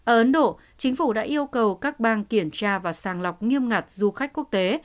ở ấn độ chính phủ đã yêu cầu các bang kiểm tra và sàng lọc nghiêm ngặt du khách quốc tế